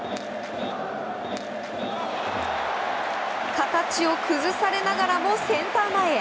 形を崩されながらもセンター前へ。